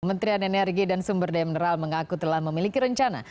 kementerian energi dan sumber demeneral mengaku telah memiliki rencana